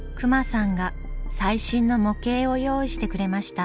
隈さんが最新の模型を用意してくれました。